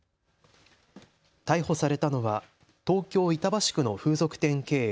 逮捕されたのは東京板橋区の風俗店経営、